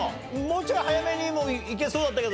もうちょい早めにもいけそうだったけど。